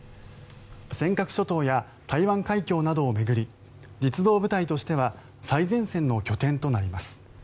尖閣諸島や台湾海峡などを巡り実動部隊としては最前線の拠点となります。